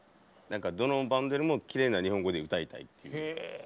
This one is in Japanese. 何かどのバンドよりもきれいな日本語で歌いたいって。